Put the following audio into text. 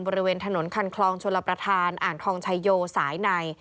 บริเวณถนนคันคลองชลประธานอ่างทองชายโยสายใน